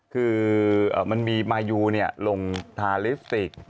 คือมันมีมายูลงทาลิสติก